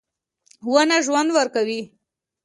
• ونه ژوند ورکوي.